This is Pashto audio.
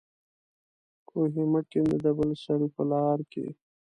کوهي مه کېنده د بل سړي په لار کې